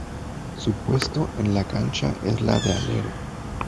Su puesto en la cancha es la de alero.